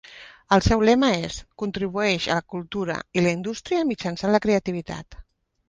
El seu lema és "Contribueix a la cultura i la indústria mitjançant la creativitat".